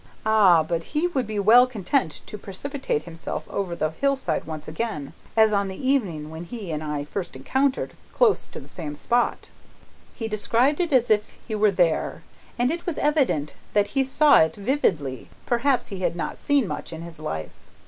Ah, but he would be well content to precipitate himself over the hill side once again, as on the evening when he and I first encountered, close to the same spot!" He described it as if he were there, and it was evident that he saw it vividly; perhaps he had not seen much in his life.